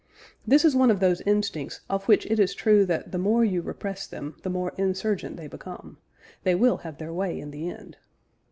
This is one of those instincts of which it is true that the more you repress them the more insurgent they become they will have their way in the end.